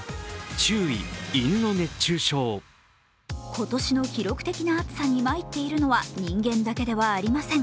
今年の記録的な暑さにまいっているのは人間だけではありません。